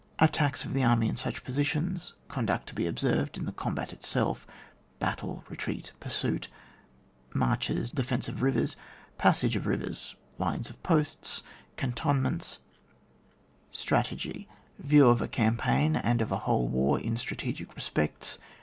Attack of the enemy in such positions —conduct to be observed in the oombat itself — ^battle — retreat — pursuit. Marches — defence of rivers— passage of rivers — alines of posts — cantonments. SUMMARY OF INSTRUCTION 97 Strategy. Yiew of a campaign and of a whole war in strategic respects.